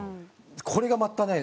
これがまたね